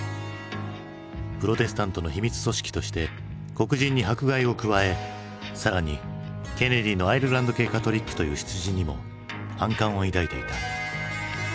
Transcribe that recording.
プロテスタントの秘密組織として黒人に迫害を加え更にケネディのアイルランド系カトリックという出自にも反感を抱いていた。